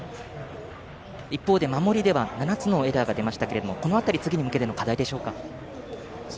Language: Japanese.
一方で守りでは７つのエラーが出ましたけれどもこの辺り次に向けての課題でしょうか。